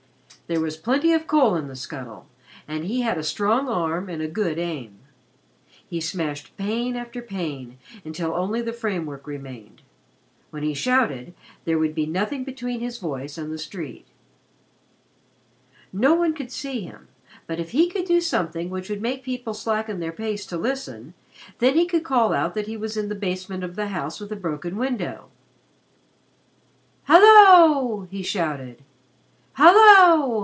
There was plenty of coal in the scuttle, and he had a strong arm and a good aim. He smashed pane after pane, until only the framework remained. When he shouted, there would be nothing between his voice and the street. No one could see him, but if he could do something which would make people slacken their pace to listen, then he could call out that he was in the basement of the house with the broken window. "Hallo!" he shouted. "Hallo!